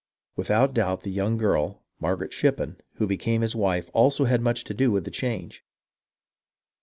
Without doubt the young girl, Margaret Shippen, who became his wife also had much to do with the change.